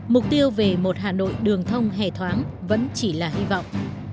mục tiêu về một hà nội đường thông hề thoáng vẫn chỉ là hy vọng